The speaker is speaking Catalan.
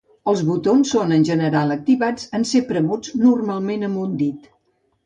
Els botons són en general activats en ser premuts, normalment amb un dit.